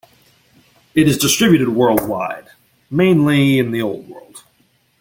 It is distributed worldwide, mainly in the Old World.